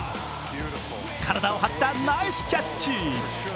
体を張った、ナイスキャッチ。